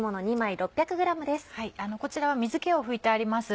こちらは水気を拭いてあります。